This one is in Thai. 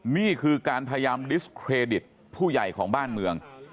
นี่คือการพยายามดิสเครดิตผู้ใหญ่ของบ้านเมือง